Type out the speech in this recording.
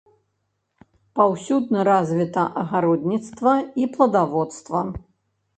Паўсюдна развіта агародніцтва і пладаводства.